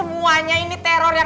g mandal trusting